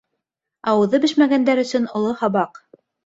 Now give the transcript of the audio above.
Ауыҙы бешмәгәндәр өсөн оло һабаҡ